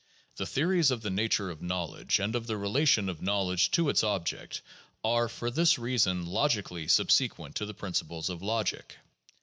The theories of the nature of knowledge and of the relation of knowledge to its object are for this reason logically sub sequent to the principles of logic.